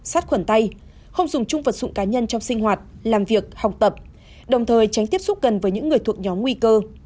sát khuẩn tay không dùng chung vật dụng cá nhân trong sinh hoạt làm việc học tập đồng thời tránh tiếp xúc gần với những người thuộc nhóm nguy cơ